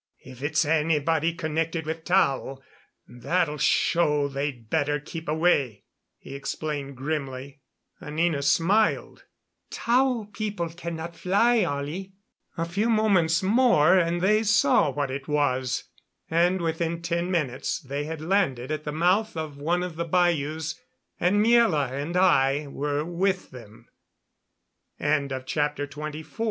"If it's anybody connected with Tao, that'll show they'd better keep away," he explained grimly. Anina smiled. "Tao people cannot fly, Ollie." A few moments more and they saw what it was. And within ten minutes they had landed at the mouth of one of the bayous, and Miela and I were with them. CHAPTER XXV. PREPARATIONS FOR WAR.